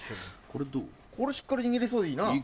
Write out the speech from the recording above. これしっかり握れそうでいいなぁ。